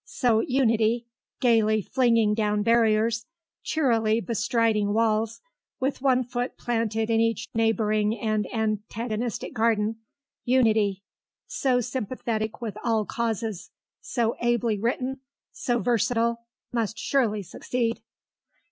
So Unity, gaily flinging down barriers, cheerily bestriding walls, with one foot planted in each neighbouring and antagonistic garden Unity, so sympathetic with all causes, so ably written, so versatile, must surely succeed.